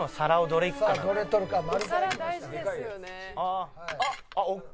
「あっ」